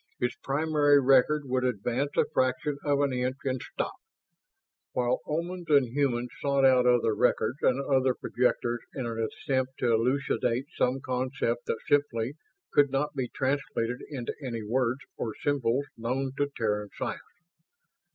Its primary record would advance a fraction of an inch and stop; while Omans and humans sought out other records and other projectors in an attempt to elucidate some concept that simply could not be translated into any words or symbols known to Terran science.